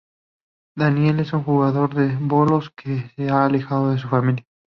Daniel es un jugador de bolos que se ha alejado de su familia.